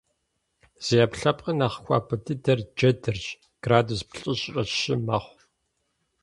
Зи Ӏэпкълъэпкъыр нэхъ хуабэ дыдэр джэдырщ - градус плӏыщӏрэ щы мэхъу.